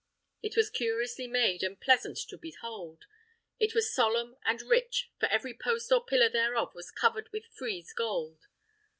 It was curiously made and pleasant to behold; it was solemn and rich, for every post or pillar thereof was covered with frieze gold.